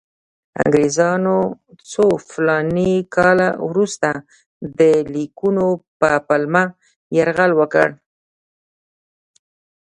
انګریزانو څو فلاني کاله وروسته د لیکونو په پلمه یرغل وکړ.